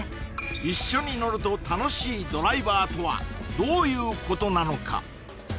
一緒に乗ると楽しいドライバーとはどういうことなのか？